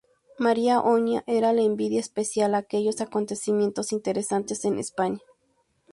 María Oña era la enviada especial a aquellos acontecimientos interesantes en España.